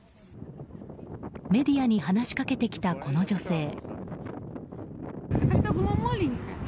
メディアに話しかけてきたこの女性。